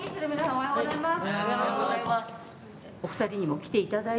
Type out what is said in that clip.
おはようございます。